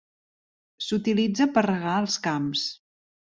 S'utilitza per regar els camps.